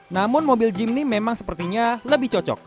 namun mobil jimny memang sepertinya lebih cocok